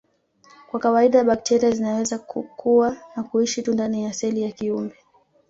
Kwa kawaida bakteria zinaweza kukua na kuishi tu ndani ya seli ya kiumbe